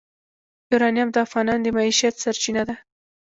یورانیم د افغانانو د معیشت سرچینه ده.